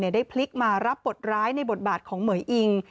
ได้พลิกมารับบทร้ายในบทบาทของเหมือยอิง